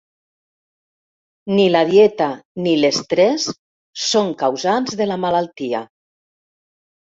Ni la dieta ni l'estrés són causants de la malaltia.